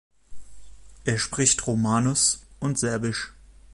Er spricht Romanes und Serbisch.